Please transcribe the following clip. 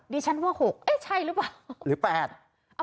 ดิฉันว่า๖เอ๊ะใช่รึเปล่า